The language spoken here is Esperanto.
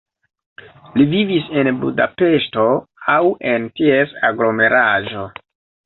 Li vivis en Budapeŝto aŭ en ties aglomeraĵo.